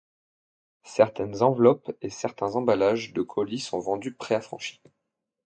Certaines enveloppes et certains emballages de colis sont vendus préaffranchis.